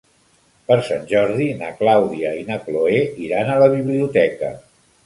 Per Sant Jordi na Clàudia i na Cloè iran a la biblioteca.